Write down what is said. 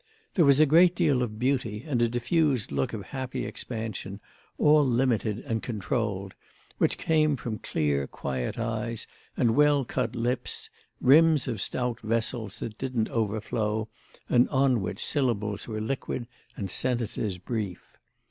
There was a great deal of beauty and a diffused look of happy expansion, all limited and controlled, which came from clear quiet eyes and well cut lips, rims of stout vessels that didn't overflow and on which syllables were liquid and sentences brief.